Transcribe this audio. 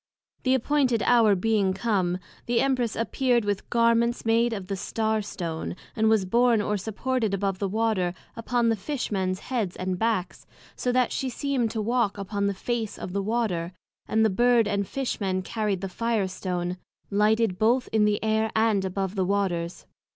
The appointed hour being come, the Empress appear'd with Garments made of the Star stone, and was born or supported above the Water, upon the Fish mens heads and backs, so that she seemed to walk upon the face of the Water, and the Bird and Fish men carried the Fire stone, lighted both in the Air, and above the Waters.